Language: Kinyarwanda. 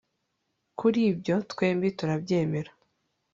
Kuri ibyo twembi turabyemera